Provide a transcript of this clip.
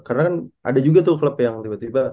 karena kan ada juga tuh klub yang tiba tiba